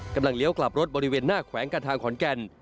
กำลังเลี้ยวกลับรถบริเวณหน้าแขวงกันทางขอนแกน